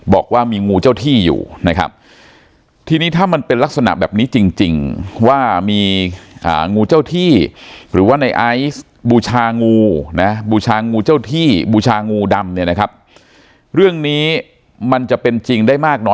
บอกว่ามีงูเจ้าที่อยู่นะครับทีนี้ถ้ามันเป็นลักษณะแบบนี้จริง